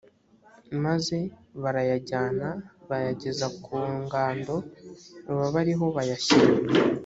maze barayajyana bayageza ku ngando baba ari ho bayashyira.